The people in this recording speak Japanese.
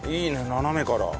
斜めから。